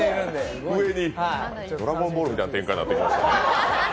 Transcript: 「ドラゴンボール」みたいな展開になってきましたね。